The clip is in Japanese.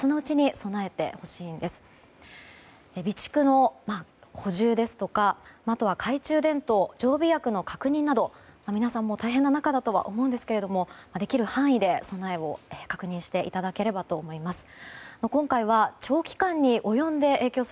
備蓄の補充ですとか懐中電灯、常備薬の確認など皆さんも大変な中だとは思いますが、できる範囲で備えを確認していただければと思います。